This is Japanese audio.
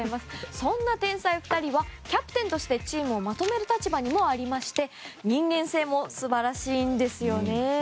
そんな天才２人はキャプテンとしてチームをまとめる立場にもありまして人間性も素晴らしいんですよね。